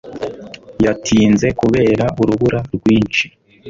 Yatinze kubera urubura rwinshi.